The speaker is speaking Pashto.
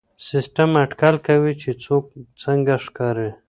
سیسټم اټکل کوي چې څوک څنګه ښکاري.